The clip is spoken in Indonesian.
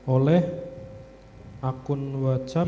oleh akun whatsapp